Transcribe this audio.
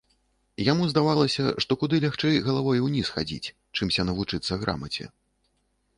Яму здавалася, што куды лягчэй галавой уніз хадзіць, чымся навучыцца грамаце.